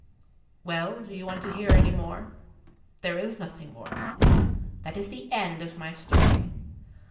Well, do you want to hear any more? There is nothing more. That is the end of my story.